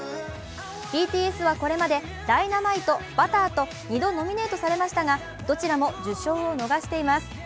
ＢＴＳは「Ｄｙｎａｍｉｔｅ」、「Ｂｕｔｔｅｒ」と２度、ノミネートされましたがどちらも受賞を逃しています。